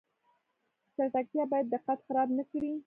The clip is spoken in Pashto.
چټکتیا باید دقت خراب نکړي